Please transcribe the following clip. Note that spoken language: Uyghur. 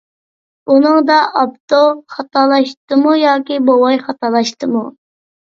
بۇنىڭدا ئاپتور خاتالاشتىمۇ ياكى بوۋاي خاتالاشتىمۇ؟